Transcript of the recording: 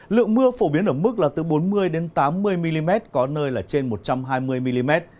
lượng mưa phổ biến ở mức là từ bốn mươi tám mươi mm có nơi là trên một trăm hai mươi mm